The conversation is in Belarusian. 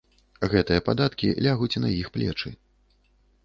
Гэтыя падаткі лягуць на іх плечы.